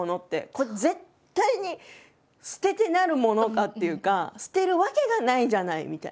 これ絶対に捨ててなるものかっていうか捨てるわけがないじゃない！みたいな。